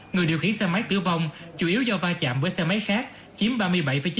người điều khiển xe máy tử vong chủ yếu do va chạm với xe máy khác chiếm ba mươi bảy chín